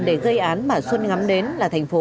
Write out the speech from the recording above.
để gây án mà xuân ngắm đến là thành phố